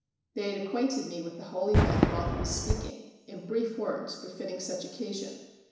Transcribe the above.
They had acquainted me with the whole event while he was speaking, in brief words befitting such occasion.